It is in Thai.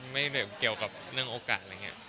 ไม่เกี่ยวกับเรื่องโอกาสอะไรอย่างนี้